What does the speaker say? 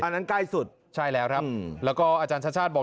นั่นใกล้สุดใช่แล้วครับแล้วก็อาจารย์ชาติชาติบอก